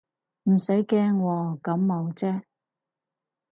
唔使驚喎，感冒啫